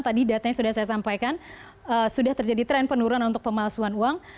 tadi datanya sudah saya sampaikan sudah terjadi tren penurunan untuk pemalsuan uang